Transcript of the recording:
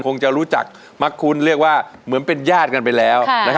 คงจะรู้จักมักคุ้นเรียกว่าเหมือนเป็นญาติกันไปแล้ว